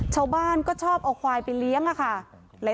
ชาวบ้านก็ชอบเอาควายไปเลี้ยงค่ะ